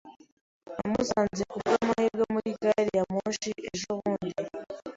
Namusanze kubwamahirwe muri gari ya moshi ejobundi.